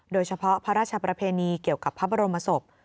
โดยเฉพาะพระราชประเพณีเกี่ยวกับพระบรมศพ